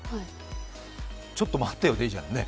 ちょっと待ってよでいいじゃないね。